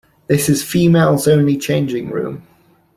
This is females only changing room.